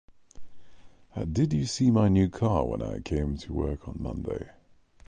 Did you see my new car when I came to work on Monday?